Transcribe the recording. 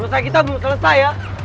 hei urusan kita belum selesai ya